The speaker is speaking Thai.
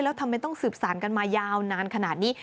แล้วทำไมต้องสืบสารกันมายาวนานขนาดนี้